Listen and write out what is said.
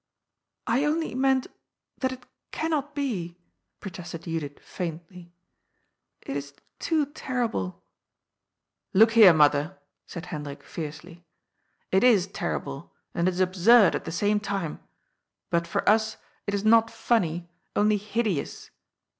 *^ I only meant that it cannot be," protested Judith faintly. " It is too terrible." " Look here, mother," said Hendrik fiercely, it is ter rible, and it is absurd at the same time. But for us it is not funny, only hideous.